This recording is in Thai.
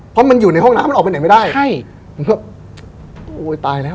เพราะมันอยู่ในห้องน้ำมันออกไปไหนไม่ได้ใช่มันก็โอ้ยตายแล้ว